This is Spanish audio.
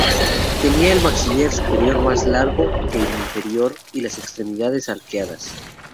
Tenía el maxilar superior más largo que el inferior y las extremidades arqueadas.